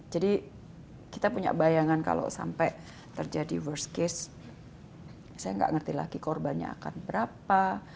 jadi kita punya bayangan kalau sampai terjadi kesan terburuk saya gak ngerti lagi korbannya akan berapa